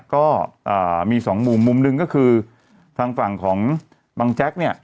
ก็มีสองมุมมุมหนึ่งก็คือทางฝั่งของบังแจ๊กเนี่ย